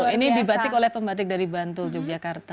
ini dibatik oleh pembatik dari bantul yogyakarta